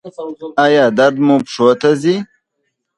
ایا درد مو پښو ته ځي؟